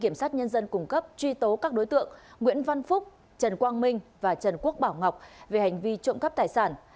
kiểm sát nhân dân cung cấp truy tố các đối tượng nguyễn văn phúc trần quang minh và trần quốc bảo ngọc về hành vi trộm cắp tài sản